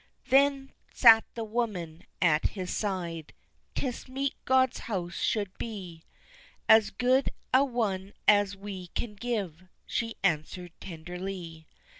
Then sat the woman at his side: "'Tis meet God's house should be As good a one as we can give," she answered tenderly.